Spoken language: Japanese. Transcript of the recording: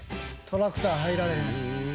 トラクター入られへん。